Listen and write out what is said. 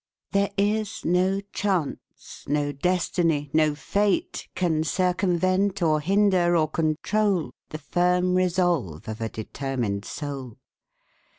There is no chance, no destiny, no fate, Can circumvent, or hinder, or control The firm resolve of a determined soul.